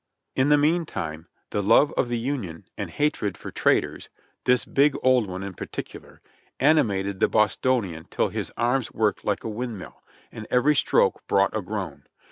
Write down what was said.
In the meantime, the love of the Union and hatred for traitors (this big old one in particular), animated the Bostonian till his arms worked like a windmill, and every stroke brought a groan.